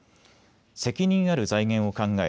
責任ある財源を考え